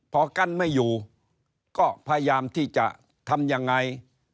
พอกั้นไม่อยู่ก็พยายามที่จะทำยังไง